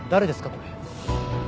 これ。